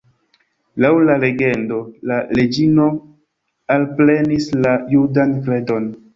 Laŭ la legendo, la reĝino alprenis la judan kredon.